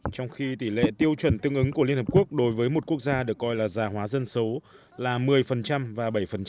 trong khi tỷ lệ tiêu chuẩn tương ứng của liên hợp quốc đối với một quốc gia được coi là già hóa dân số là một mươi và bảy